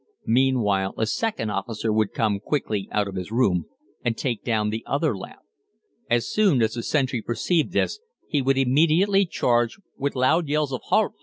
Meanwhile a second officer would come quickly out of his room and take down the other lamp. As soon as the sentry perceived this he would immediately charge, with loud yells of "Halt!